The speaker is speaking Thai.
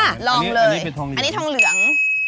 อันนี้ทองเหลือง